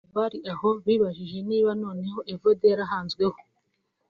Abari aho bibajije niba noneho Evode yahanzweho